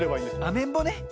アメンボね。